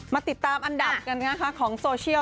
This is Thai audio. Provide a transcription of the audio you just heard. มาติดตามอันดับกันนะคะของโซเชียล